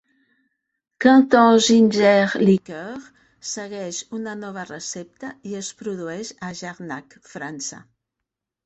Canton Ginger Liqueur segueix una nova recepta i es produeix a Jarnac, França.